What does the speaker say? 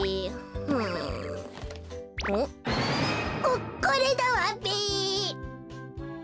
ここれだわべ！